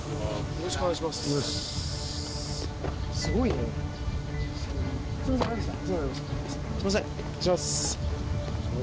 よろしくお願いします。